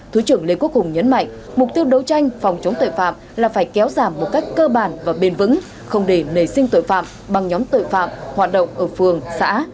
thứ trưởng lê quốc hùng nhấn mạnh mục tiêu đấu tranh phòng chống tội phạm là phải kéo giảm một cách cơ bản và bền vững không để nề sinh tội phạm bằng nhóm tội phạm hoạt động ở phường xã